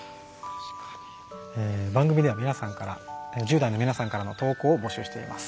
番組では１０代の皆さんからの投稿を募集しています。